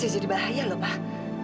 itu bisa jadi bahaya lho pak